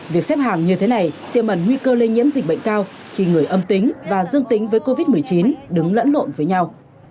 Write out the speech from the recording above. việc xếp hàng như thế này tiềm ẩn nguy cơ lây nhiễm dịch bệnh cao khi người âm tính và dương tính với covid một mươi chín đứng lẫn lộn với nhau